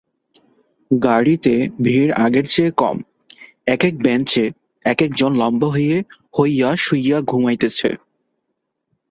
গাড়িতে ভিড় আগের চেয়ে কম-এক এক বেঞ্চে এক একজন লম্বা হইয়া শুইয়া ঘুমাইতেছে।